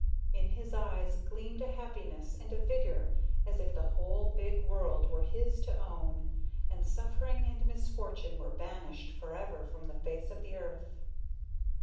In his eyes gleamed a happiness and a vigor as if the whole big world were his to own, and suffering and misfortune were banished forever from the face of the earth.